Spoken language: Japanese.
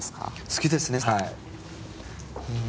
好きですねはい。